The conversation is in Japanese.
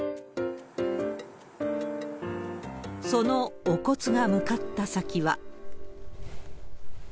そのお骨が向かった先は。